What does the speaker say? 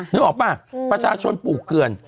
นึกออกป่ะประชาชนปลูกเกือน